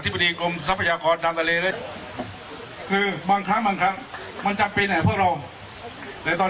ที่จะทำยังไงเราจะทำยังไงถึงให้อ้วนรากมันน้อยลง